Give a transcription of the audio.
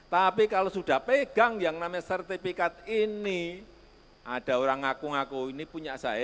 tapi kalau sudah pegang yang namanya sertifikat ini ada orang ngaku ngaku ini punya saya